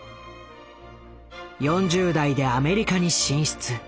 ４０代でアメリカに進出。